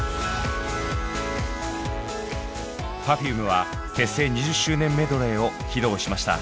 Ｐｅｒｆｕｍｅは結成２０周年メドレーを披露しました。